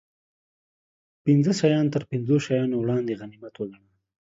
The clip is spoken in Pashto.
پنځه شیان تر پنځو شیانو وړاندې غنیمت و ګڼه